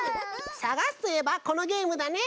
さがすといえばこのゲームだね！